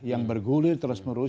yang bergulir terus menerus